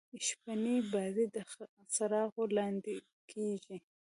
شپنۍ بازۍ د څراغو لانديکیږي.